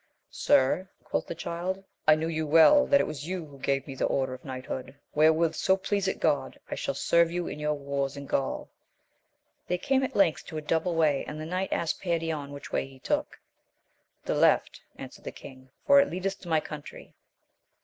Sir, quoth the Child, I knew you well, that it was you who gave me the order of knighthood, wherewith, so please it God, I shall serve you in your wars in Gaul. They came at length to a double way, and the knight asked Perion which way he took. The left, answered the king, for it leadeth to my country.